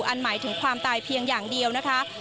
หมายถึงความตายเพียงอย่างเดียวนะคะ